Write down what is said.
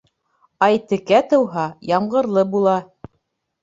Ай текә тыуһа, ямғырлы була.